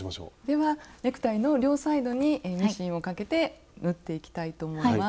ではネクタイの両サイドにミシンをかけて縫っていきたいと思います。